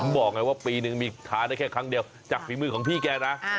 ผมบอกไงว่าปีนึงมีทานได้แค่ครั้งเดียวจากฝีมือของพี่แกนะ